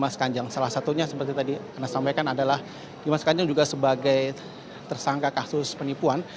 salah satunya seperti tadi anda sampaikan adalah dimas kanjeng juga sebagai tersangka kasus penipuan